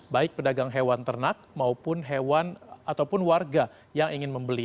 baik pedagang hewan ternak maupun hewan ataupun warga yang ingin membeli